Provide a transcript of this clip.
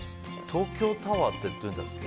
東京タワーってどうやるんだっけ。